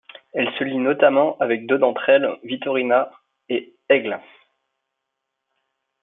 Elle se lie notamment avec deux d'entre elles, Vittorina et Egle.